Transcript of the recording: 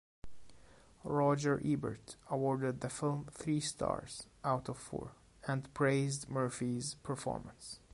Roger Ebert awarded the film three stars out of four, and praised Murphy's performance.